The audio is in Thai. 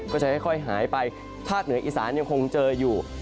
ภาพเหนืออีสานยังคงเจออยู่